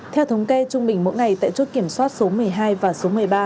theo thống kê trung bình mỗi ngày tại chốt kiểm soát số một mươi hai và số một mươi ba